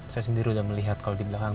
saya sendiri sudah melihat kalau di belakang